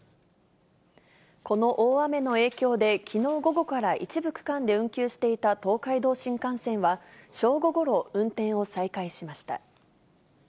この大雨の影響で、きのう午後から一部区間で運休していた東海道新幹線は、正午ごろ、運転を再開しました。